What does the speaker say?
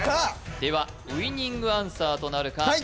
ではウイニングアンサーとなるかはい！